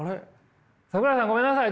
桜井さんごめんなさい。